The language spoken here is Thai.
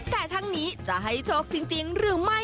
แต่ทั้งนี้จะให้โชคจริงหรือไม่